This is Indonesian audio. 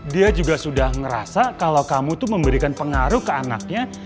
dia juga sudah ngerasa kalau kamu tuh memberikan pengaruh ke anaknya